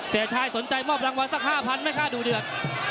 เสียชายสนใจมอบรางวัลสัก๕๐๐ไม่กล้าดูเดือด